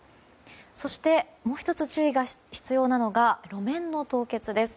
そしてもう１つ注意が必要なのが路面の凍結です。